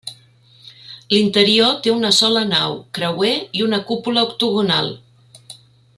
L'interior té una sola nau, creuer i una cúpula octogonal.